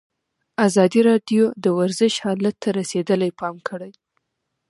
ازادي راډیو د ورزش حالت ته رسېدلي پام کړی.